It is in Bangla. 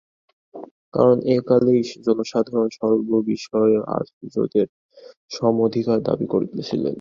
কারণ এ-কালেই জনসাধারণ সর্ববিষয়ে আর্যদের সম-অধিকার দাবী করছিল।